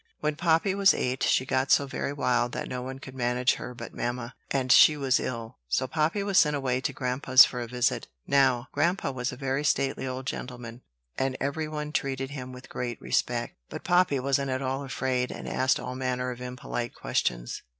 When Poppy was eight, she got so very wild that no one could manage her but mamma, and she was ill; so Poppy was sent away to grandpa's for a visit. Now, grandpa was a very stately old gentleman, and every one treated him with great respect; but Poppy wasn't at all afraid, and asked all manner of impolite questions.